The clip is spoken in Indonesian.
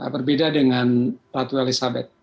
berbeda dengan ratu elizabeth